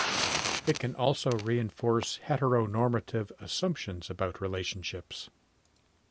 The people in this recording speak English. It can also reinforce heteronormative assumptions about relationships.